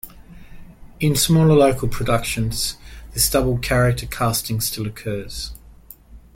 In smaller local productions, this double character casting still occurs.